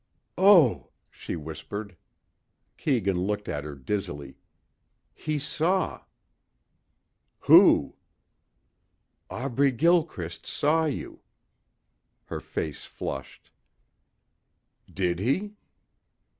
"Oh," she whispered. Keegan looked at her dizzily. "He saw...." "Who?" "Aubrey Gilchrist saw you." Her face flushed. "Did he?"